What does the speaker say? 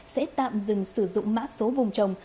sẽ tạm dừng sử dụng mã số vùng trồng